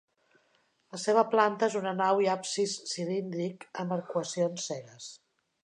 La seva planta és una nau i absis cilíndric amb arcuacions cegues.